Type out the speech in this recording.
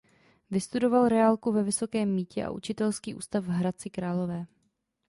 Vystudoval reálku ve Vysokém Mýtě a učitelský ústav v Hradci Králové.